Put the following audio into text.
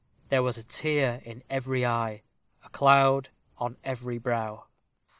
There was a tear in every eye a cloud on every brow.